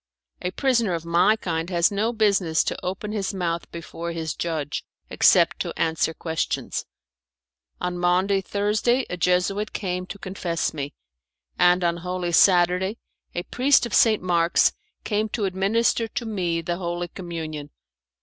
A prisoner of my kind has no business to open his mouth before his judge, except to answer questions. On Maundy Thursday a Jesuit came to confess me, and on Holy Saturday a priest of St. Mark's came to administer to me the Holy Communion.